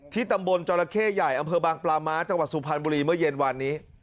ตำบลจรเข้ใหญ่อำเภอบางปลาม้าจังหวัดสุพรรณบุรีเมื่อเย็นวานนี้